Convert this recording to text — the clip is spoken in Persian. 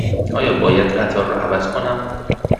آیا باید قطارم را عوض کنم؟